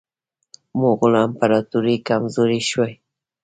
مغولو امپراطوري کمزورې شوه.